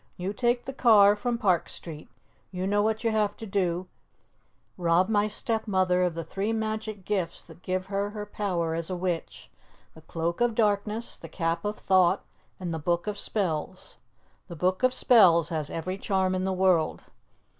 You take the car from Park Street. You know what you have to do, rob my stepmother of the three magic gifts that give her her power as a witch, the Cloak of Darkness, the Cap of Thought and the Book of Spells. The Book of Spells has every charm in the world."